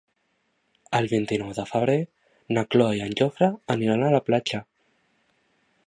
El vint-i-nou de febrer na Cloè i en Jofre aniran a la platja.